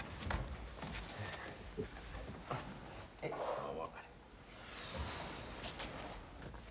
どうも。